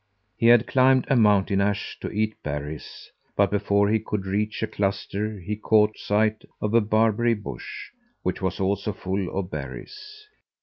He had climbed a mountain ash to eat berries, but before he could reach a cluster he caught sight of a barberry bush, which was also full of berries.